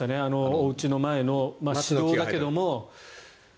おうちの前の私道だけども。